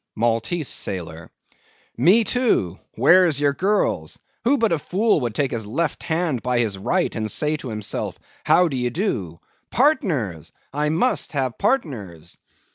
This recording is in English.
MALTESE SAILOR. Me too; where's your girls? Who but a fool would take his left hand by his right, and say to himself, how d'ye do? Partners! I must have partners!